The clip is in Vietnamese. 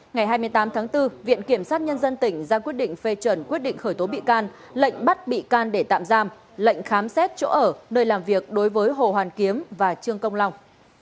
ngày hai mươi tám tháng bốn viện kiểm sát nhân dân tỉnh ra quyết định phê chuẩn quyết định khởi tố bị can lệnh bắt bị can để tạm giam lệnh khám xét chỗ ở nơi làm việc đối với hồ hoàn kiếm và trương công long